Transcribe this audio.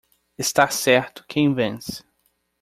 Está certo quem vence.